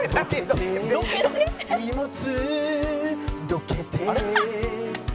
「荷物どけて日々」